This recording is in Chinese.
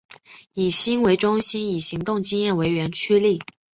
以心为中心以行动经验为原驱力。